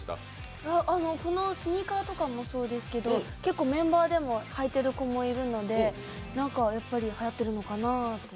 このスニーカーとかもそうですけどメンバーでも履いてる子もいるのでやっぱりはやってるのかなって。